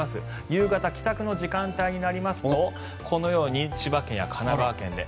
夕方、帰宅の時間帯になりますとこのように千葉県や神奈川県で。